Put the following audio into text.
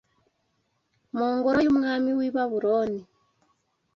mu ngoro y’umwami w’i Babuloni